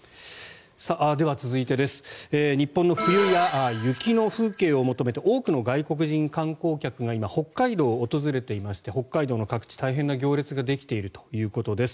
では、続いて日本の冬や雪の風景を求めて多くの外国人観光客が今、北海道を訪れていまして北海道の各地、大変な行列ができているということです。